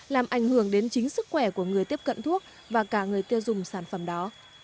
làm ảnh hưởng đến chính sức khỏe của người tiếp cận thuốc và cả người tiêu dùng sản phẩm đó